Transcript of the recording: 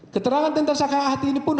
keterangan tentang sakit hati ini pun